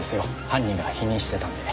犯人が否認してたので。